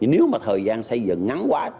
nếu mà thời gian xây dựng ngắn quá